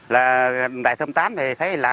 là bài thông tám thì thấy là